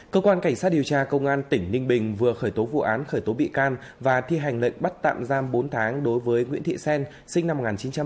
cơ quan cảnh sát điều tra công an tỉnh ninh bình vừa khởi tố vụ án khởi tố bị can và thi hành lệnh bắt tạm giam bốn tháng đối với nguyễn thị xen sinh năm một nghìn chín trăm tám mươi